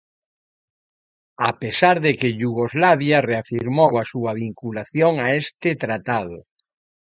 A pesar de que Iugoslavia reafirmou a súa vinculación a este tratado.